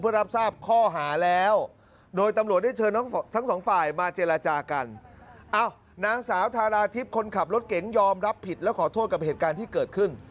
รับทราบข้อหาแล้วโดยตำรวจได้เชิญทั้งสองฝ่ายมาเจรจากันอ้าวนางสาวทาราทิพย์คนขับรถเก๋งยอมรับผิดและขอโทษกับเหตุการณ์ที่เกิดขึ้น